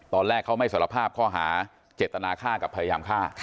ตอนแรกเขาไม่สารภาพข้อหาเจตนาฆ่ากับพยายามฆ่า